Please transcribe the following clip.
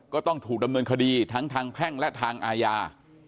ต้องถูกดำเนินคดีทั้งทางแพ่งและทางอาญา